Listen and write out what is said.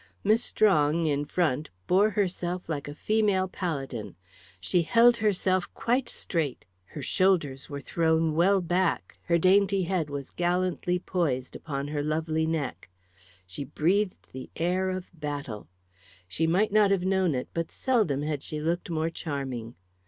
Miss Strong, in front, bore herself like a female paladin. She held herself quite straight; her shoulders were thrown well back; her dainty head was gallantly poised upon her lovely neck; she breathed the air of battle. She might not have known it, but seldom had she looked more charming.